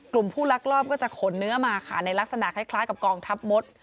กลุ่มผู้ลักลอบก็จะขนเนื้อมาค่ะในลักษณะคล้ายกับกองทัพมด